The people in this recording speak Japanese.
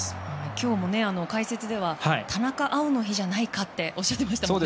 今日も解説では田中碧の日じゃないかっておっしゃっていましたよね。